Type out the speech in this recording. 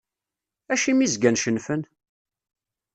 Acimi zgan cennfen?